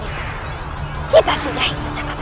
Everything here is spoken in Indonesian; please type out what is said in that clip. bertindak jalan baru